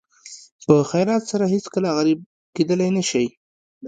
په خیرات سره هېڅکله غریب کېدلی نه شئ.